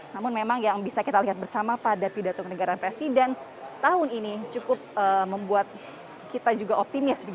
namun memang yang bisa kita lihat bersama pada pidato kenegaraan presiden tahun ini cukup membuat kita juga optimis